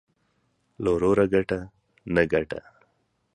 له وروره گټه ، نه گټه.